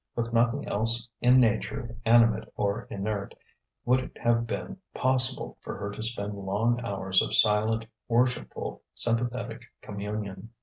With nothing else in nature, animate or inert, would it have been possible for her to spend long hours of silent, worshipful, sympathetic communion.